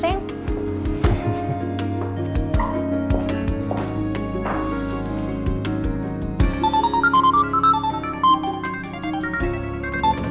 kayak logging suaranya nggak jalan